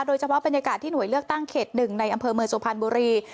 โดยเฉพาะบรรยากาศที่หน่วยเลือกตั้งเขต๑ในอำเภอเมืองสุพรรณบุรี